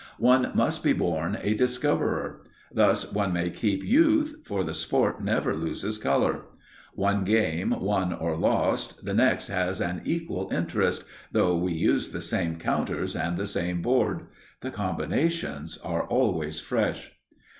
One must be born a discoverer. Thus one may keep youth, for the sport never loses colour. One game won or lost, the next has an equal interest, though we use the same counters and the same board. The combinations are always fresh.